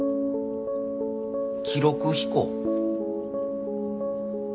記録飛行？